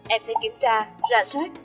em sẽ kiểm tra ra sát